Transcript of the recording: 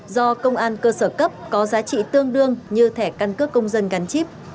do công an cơ sở cấp có giá trị tương đương như thẻ căn cước công dân gắn chip